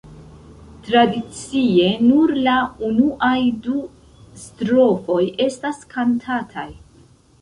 Tradicie, nur la unuaj du strofoj estas kantataj.